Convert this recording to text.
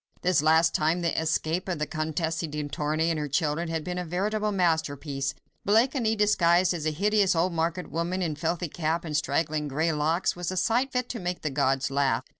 This last time, the escape of the Comtesse de Tournay and her children had been a veritable masterpiece—Blakeney disguised as a hideous old market woman, in filthy cap and straggling grey locks, was a sight fit to make the gods laugh.